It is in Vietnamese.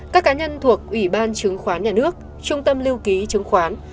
các cá nhân thuộc ủy ban chứng khoán nhà nước trung tâm lưu ký chứng khoán